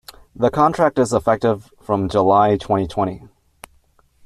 The contract is effective from July twenty twenty.